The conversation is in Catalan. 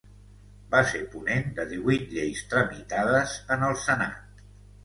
Va ser ponent de divuit lleis tramitades en el Senat.